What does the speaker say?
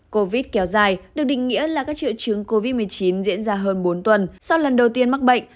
covid kéo dài được định nghĩa là các triệu chứng covid một mươi chín diễn ra hơn bốn tuần sau lần đầu tiên mắc bệnh